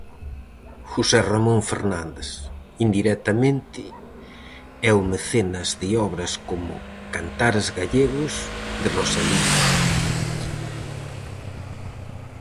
José Ramón Fernández, indirectamente, é o mecenas de obras como "Cantares gallegos" de Rosalía.